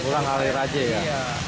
kurang ngalir aja ya